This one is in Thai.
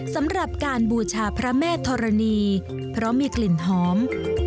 สำหรับการบูชาพระแม่ธรณีเพราะมีกลิ่นหอม